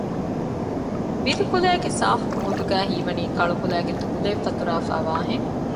ވިލުކުލައިގެ ސާފު މޫދުގައި ހީވަނީ ކަޅުކުލައިގެ ދޫލައެއް ފަތުރައިފައިވާހެން